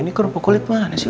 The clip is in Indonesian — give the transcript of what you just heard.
ini kerupuk kulit mana sih